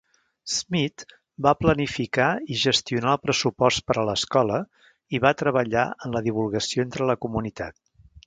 Smith va planificar i gestionar el pressupost per a l'escola i va treballar en la divulgació entre la comunitat.